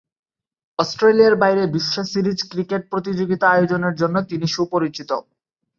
অস্ট্রেলিয়ার বাইরে বিশ্ব সিরিজ ক্রিকেট প্রতিযোগিতা আয়োজনের জন্য তিনি সুপরিচিত।